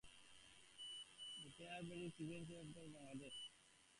They play an important role in the immune response and protection.